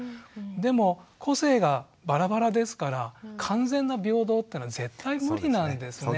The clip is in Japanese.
でも個性がバラバラですから完全な平等っていうのは絶対無理なんですね。